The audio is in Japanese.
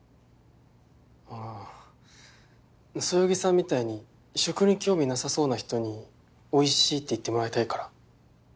ああそよぎさんみたいに食に興味なさそうな人に「おいしい」って言ってもらいたいから。